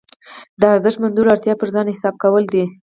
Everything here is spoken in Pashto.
د ارزښت موندلو اړتیا پر ځان حساب کول ده.